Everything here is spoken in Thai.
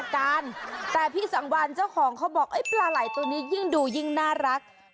การแต่พี่สังวันเจ้าของเขาบอกปลาไหล่ตัวนี้ยิ่งดูยิ่งน่ารัก